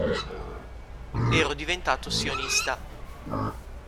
Ero diventato sionista.